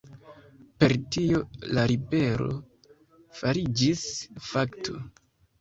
Per tio la ribelo fariĝis fakto.